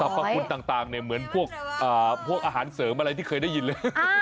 พระคุณต่างเนี่ยเหมือนพวกอาหารเสริมอะไรที่เคยได้ยินเลย